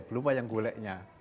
belum wayang guleknya